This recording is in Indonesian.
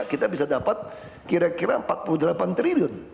kita bisa dapat kira kira empat puluh delapan triliun